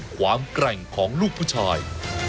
แกร่งของลูกผู้ชาย